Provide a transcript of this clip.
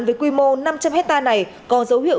với quy mô năm trăm linh hectare này có dấu hiệu